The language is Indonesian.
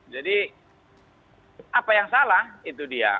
jadi apa yang salah itu dia